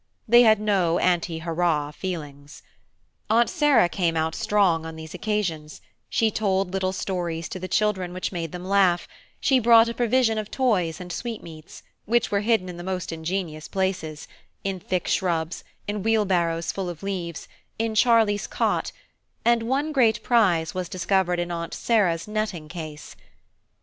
They had no anti hurrah feelings. Aunt Sarah came out strong on these occasions; she told little stories to the children, which made them laugh; she brought a provision of toys and sweetmeats, which were hidden in the most ingenius places, in thick shrubs, in wheelbarrows full of leaves, in Charlie's cot, and one great prize was discovered in Aunt Sarah's netting case.